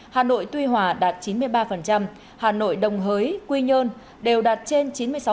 hà nội tuy hòa đạt chín mươi ba hà nội đồng hới quy nhơn đều đạt trên chín mươi sáu